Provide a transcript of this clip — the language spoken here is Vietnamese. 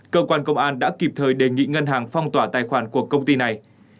cơ quan công an đã kịp thời đề nghị ngân hàng phong tỏa tài khoản của công ty này